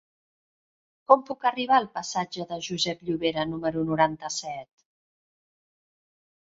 Com puc arribar al passatge de Josep Llovera número noranta-set?